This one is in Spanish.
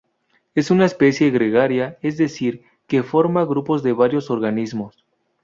Es una especie gregaria, es decir, que forma grupos de varios organismos.